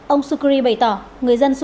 ông sukri bày tỏ